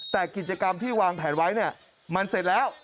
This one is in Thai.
แต่กิจกรรมที่วางแผนไว้เนี่ยมันเสร็จแล้ว